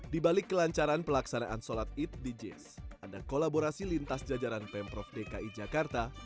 di balik kelancaran pelaksanaan sholat id di jis ada kolaborasi lintas jajaran pemprov dki jakarta